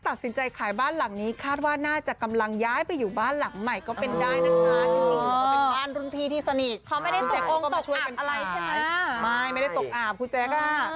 ไม่ได้ตกอาบอะไรใช่มั้ยไม่ไม่ได้ตกอาบคุณแจ๊คอ่ะ